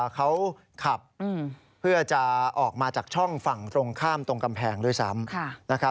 เขาขับเพื่อจะออกมาจากช่องฝั่งตรงข้ามตรงกำแพงด้วยซ้ำ